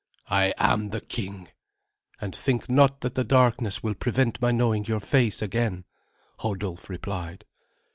"I am the king and think not that the darkness will prevent my knowing your face again," Hodulf replied.